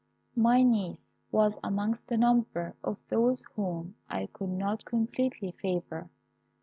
"My niece was amongst the number of those whom I could not completely favour.